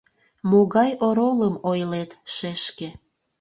Могай оролым ойлет, шешке?